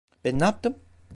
Ben ne yaptım?